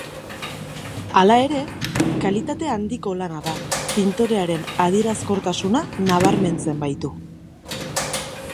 Hala ere, kalitate handiko lana da, pintorearen adierazkortasuna nabarmentzen baitu.